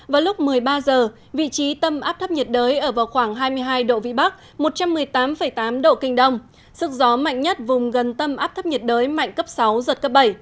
vào lúc một mươi ba h vị trí tâm áp thấp nhiệt đới ở vào khoảng hai mươi hai độ vĩ bắc một trăm một mươi tám tám độ kinh đông sức gió mạnh nhất vùng gần tâm áp thấp nhiệt đới mạnh cấp sáu giật cấp bảy